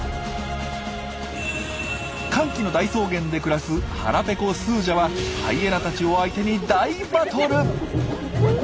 乾季の大草原で暮らす腹ペコスージャはハイエナたちを相手に大バトル！